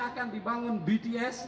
akan dibangun bds